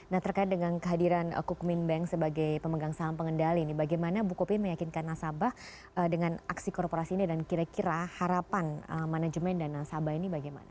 nah terkait dengan kehadiran kukmin bank sebagai pemegang saham pengendali ini bagaimana bu kopi meyakinkan nasabah dengan aksi korporasi ini dan kira kira harapan manajemen dan nasabah ini bagaimana